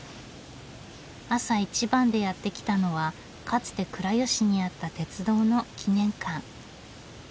朝一番でやって来たのはかつて倉吉にあった鉄道の記念館。